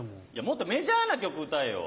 もっとメジャーな曲歌えよ。